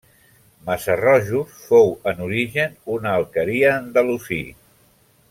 Massarrojos fou en origen una alqueria andalusí.